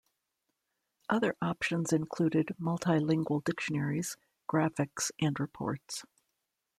Other options included multilingual dictionaries, graphics, and reports.